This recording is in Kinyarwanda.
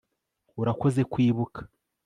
urakoze kwibuka